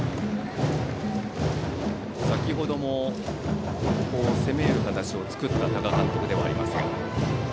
先程も、攻める形を作った多賀監督ではあります。